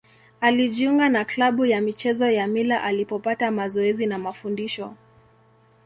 Alijiunga na klabu ya michezo ya Mila alipopata mazoezi na mafundisho.